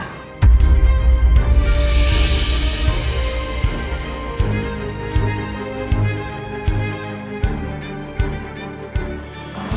sampai jumpa lagi